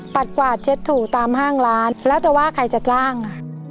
กวาดเช็ดถูตามห้างร้านแล้วแต่ว่าใครจะจ้างอ่ะ